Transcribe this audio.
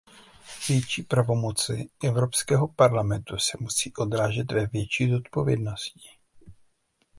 Větší pravomoci Evropského parlamentu se musí odrážet ve větší zodpovědnosti.